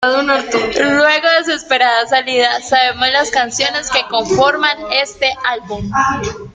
Luego de su esperada salida, sabemos las canciones que conforman este álbum.